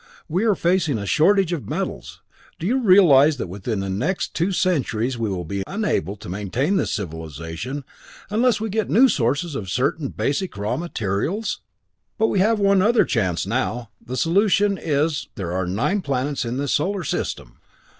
We are facing a shortage of metals. Do you realize that within the next two centuries we will be unable to maintain this civilization unless we get new sources of certain basic raw materials? "But we have one other chance now. The solution is there are nine planets in this solar system!